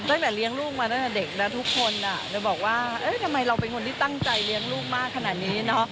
ตั้งแต่เลี้ยงลูกมาตั้งแต่เด็กแล้วทุกคนจะบอกว่าทำไมเราเป็นคนที่ตั้งใจเลี้ยงลูกมากขนาดนี้เนอะ